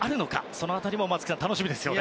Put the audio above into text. その辺りも、松木さん楽しみですね。